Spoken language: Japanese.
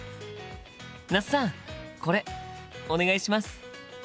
那須さんこれお願いします。